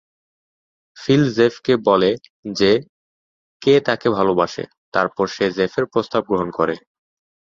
Feel জেফকে বলে যে কে তাকে ভালবাসে, তারপর সে জেফের প্রস্তাব গ্রহণ করে।